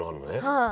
はい。